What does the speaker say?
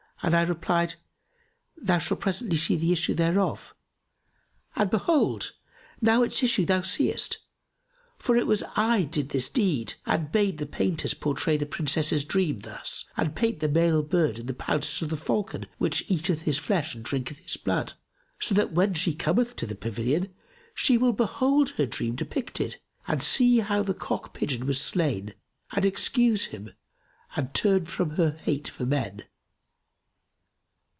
'; and I replied, 'Thou shalt presently see the issue thereof.' And behold, now its issue thou seest; for it was I did this deed and bade the painters pourtray the Princess's dream thus and paint the male bird in the pounces of the falcon which eateth his flesh and drinketh his blood; so that when she cometh to the pavilion, she will behold her dream depicted and see how the cock pigeon was slain and excuse him and turn from her hate for men."